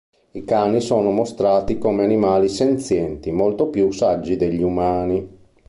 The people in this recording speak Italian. I cani sono mostrati come animali senzienti, molto più saggi degli umani.